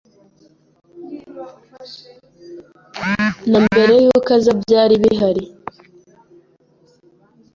Na mbere y'uko aza byari bihari